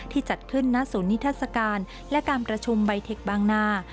จัดขึ้นณศูนย์นิทัศกาลและการประชุมใบเทคบางนา